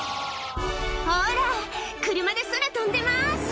ほら、車で空飛んでいます。